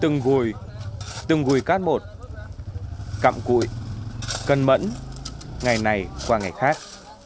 ngùi cát một cặm cụi cân mẫn ngày này qua ngày khác